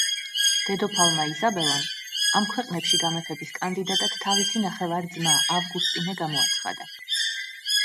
დედოფალმა ისაბელამ ამ ქვეყნებში გამეფების კანდიდატად თავისი ნახევარძმა ავგუსტინე გამოაცხადა.